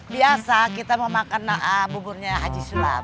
biasa kita mau makan buburnya haji sulap